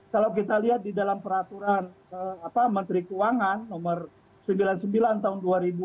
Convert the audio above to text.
kalau kita lihat di dalam peraturan menteri keuangan nomor sembilan puluh sembilan tahun dua ribu dua